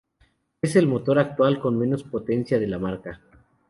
Es el motor actual con menos potencia de la marca.